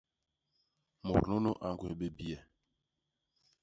Mut nunu a ñgwés bé biyé.